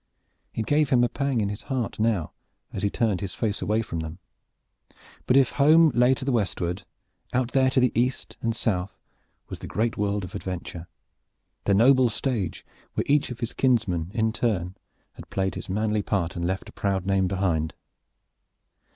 It gave him a pang in his heart now as he turned his face away from them; but if home lay to the westward, out there to the eastward was the great world of adventure, the noble stage where each of his kinsmen in turn had played his manly part and left a proud name behind.